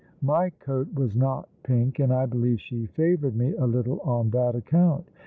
My coat was not pink and I believe she favoured me a little on that account.